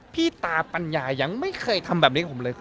พี่ตาปัญญายังไม่เคยทำแบบนี้กับผมเลย